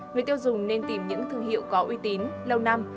người tiêu dùng nên tìm những thương hiệu có uy tín lâu năm